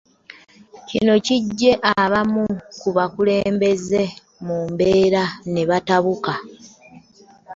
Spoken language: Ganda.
Kino kiggye abamu ku bakulembeze mu mbeera ne batabuka.